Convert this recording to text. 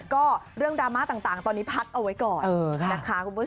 ก็เรื่องดรามะต่างตอนนี้พักเอาไว้ก่อน